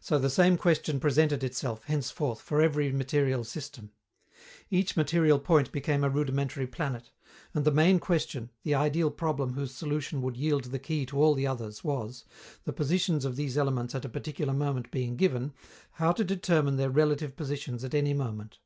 So the same question presented itself, henceforth, for every material system. Each material point became a rudimentary planet, and the main question, the ideal problem whose solution would yield the key to all the others was, the positions of these elements at a particular moment being given, how to determine their relative positions at any moment.